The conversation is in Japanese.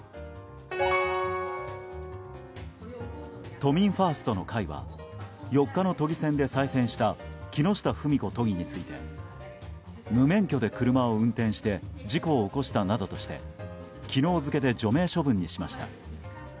都民ファーストの会は４日の都議選で再選した木下富美子都議について無免許で車を運転して事故を起こしたなどとして昨日付で除名処分にしました。